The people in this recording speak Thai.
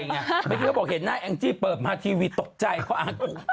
เมื่อกี้เขาบอกเห็นหน้าแองจี้เปิดมาทีวีตกใจเขาอ่านอุ